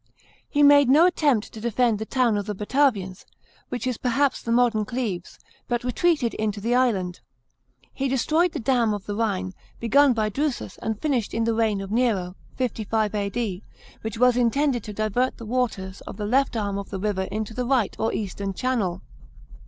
He made no attempt to defend the " town of the Batavians," which is perhaps the modern Cleves, but retreated into the island. He destroyed the dam of the Rhine, hegnn by Drusus and finished in the reign of Nero (55 A.D.), which was intended to divert the waters of the left arm of the river into the right or eastern channel.